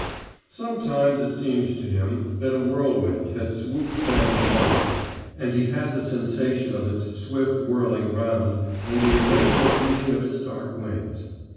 Sometimes it seemed to him that a whirlwind had swooped down upon him, and he had the sensation of its swift whirling round and the irregular beating of its dark wings.